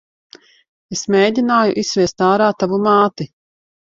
Es mēgināju izsviest ārā tavu māti.